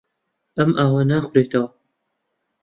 ئەم ئاوە ناخورێتەوە.